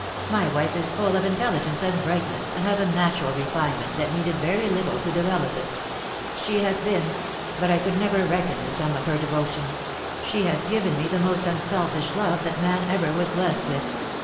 My wife is full of intelligence and brightness, and has a natural refinement that needed very little to develop it. She has been — but I could never reckon the sum of her devotion. She has given me the most unselfish love that man ever was blessed with.